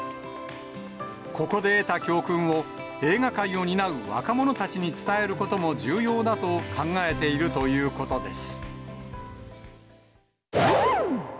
ここで得た教訓を、映画界を担う若者たちに伝えることも重要だと考えているということです。